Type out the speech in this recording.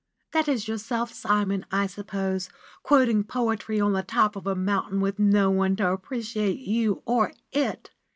That is yourself, Simon, I suppose, quoting poetry on the top of a mountain with no one to appreciate you or it!"